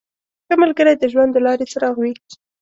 • ښه ملګری د ژوند د لارې څراغ وي.